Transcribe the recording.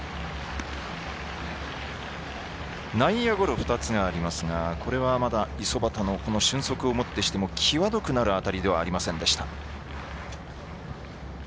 内野ゴロ２つがありますがこれはまだ五十幡の俊足をもってしても際どくなる当たりではありませんでした。